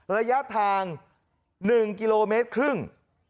ระยะทาง๑กิโลเมตรครึ่ง